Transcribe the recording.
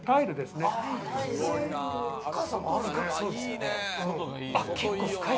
深さもあるね。